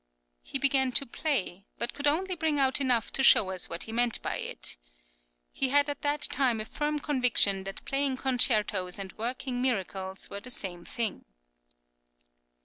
He began to play, but could only bring out enough to show us what he meant by it. He had at that time a firm conviction that playing concertos and working miracles were the same thing.